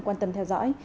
quan tâm theo dõi